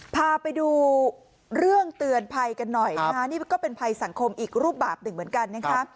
พาไปดูเรื่องเตือนภัยกันหน่อยนะคะนี่ก็เป็นภัยสังคมอีกรูปแบบหนึ่งเหมือนกันนะคะ